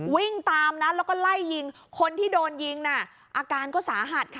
วิ่งตามนะแล้วก็ไล่ยิงคนที่โดนยิงน่ะอาการก็สาหัสค่ะ